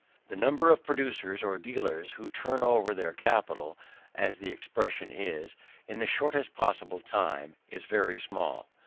The number of producers, or dealers, who turn over their capital, as the expression is, in the shortest possible time, is very small.